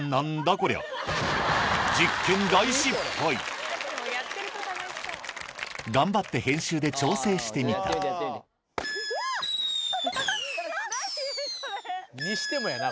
こりゃ頑張って編集で調整してみたにしてもやな